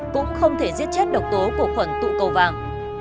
cũng không thể giết chết độc tố của khuẩn tụ cầu vàng